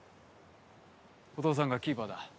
お父さんがキーパーだ。